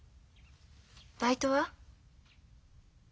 バイトは？